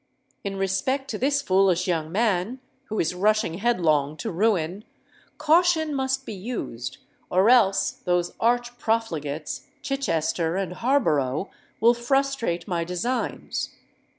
In respect to this foolish young man, who is rushing headlong to ruin, caution must be used; or else those arch profligates, Chichester and Harborough, will frustrate my designs.